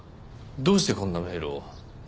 どうしてこんなメールを？